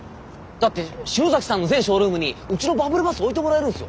だってＳＨＩＮＯＺＡＫＩさんの全ショールームにうちのバブルバス置いてもらえるんすよ？